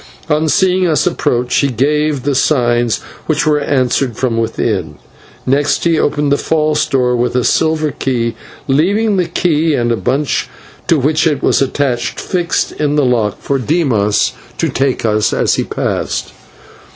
On seeing us approach, he gave the signs, which were answered from within; next he opened the false door with a silver key, leaving the key and the bunch to which it was attached fixed in the lock, for Dimas to take as he passed.